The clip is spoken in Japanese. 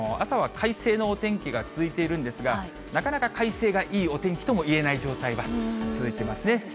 朝は快晴のお天気が続いているんですが、なかなか快晴がいいお天気とも言えない状態が続いてますね。